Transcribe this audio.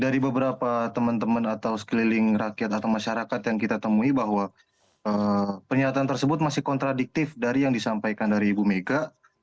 dari beberapa teman teman atau sekeliling rakyat atau masyarakat yang kita temui bahwa pernyataan tersebut masih kontradiktif dari yang disampaikan dari ibu mega